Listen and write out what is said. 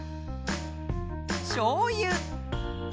しょうゆ。